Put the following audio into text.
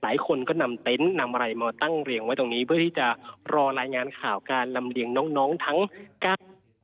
หลายคนก็นำเต็นต์นำอะไรมาตั้งเรียงไว้ตรงนี้เพื่อที่จะรอรายงานข่าวการลำเลียงน้องน้องทั้ง๙